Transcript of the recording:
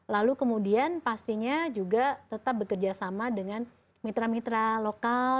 lalu kemudian pastinya juga tetap bekerja sama dengan mitra mitra lokal